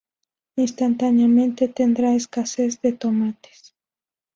Instantáneamente tendrá escasez de tomates.